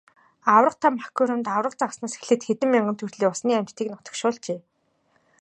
Аварга том аквариумд аварга загаснаас эхлээд хэдэн мянган төрлийн усны амьтдыг нутагшуулжээ.